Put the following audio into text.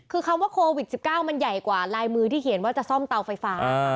คือคำว่าโควิด๑๙มันใหญ่กว่าลายมือที่เขียนว่าจะซ่อมเตาไฟฟ้า